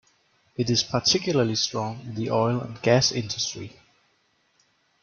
It is particularly strong in the Oil and Gas industry.